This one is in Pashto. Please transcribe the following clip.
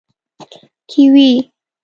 🥝 کیوي